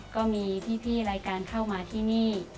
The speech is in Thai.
ก็มีพี่รายการเข้ามาที่นี่